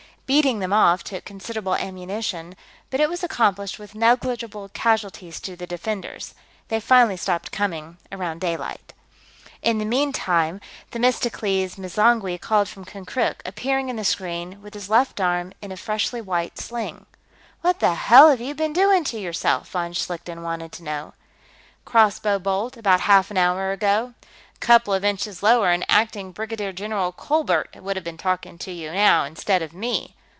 Beating them off took considerable ammunition, but it was accomplished with negligible casualties to the defenders. They finally stopped coming around daylight. In the meantime, Themistocles M'zangwe called from Konkrook, appearing in the screen with his left arm in a freshly white sling. "What the hell have you been doing to yourself?" von Schlichten wanted to know. "Crossbow bolt, about half an hour ago. A couple of inches lower and acting Brigadier General Colbert'd have been talking to you, now, instead of me."